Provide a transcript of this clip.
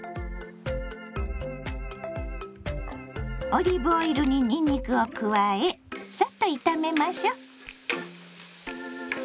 オリーブオイルににんにくを加えさっと炒めましょ。